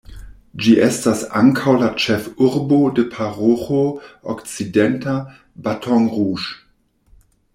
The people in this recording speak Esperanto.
Ĝi estas ankaŭ la ĉefurbo de Paroĥo Okcidenta Baton Rouge.